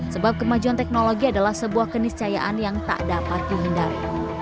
sebab kemajuan teknologi adalah sebuah keniscayaan yang tak dapat dihindari